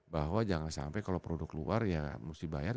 bahwa jangan sampai kalau produk luar ya mesti bayar